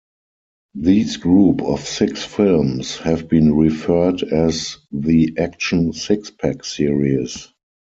These group of six films have been referred as the "Action Six-Pack Series".